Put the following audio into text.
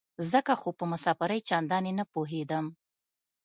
ځکه خو په مسافرۍ چندانې نه پوهېدم.